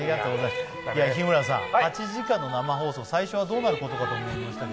８時間の生放送、最初はどうなることかと思いましたが。